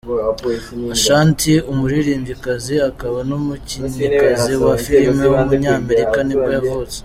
Ashanti, umuririmbyikazi akaba n’umukinnyikazi wa filime w’umunyamerika nibwo yavutse.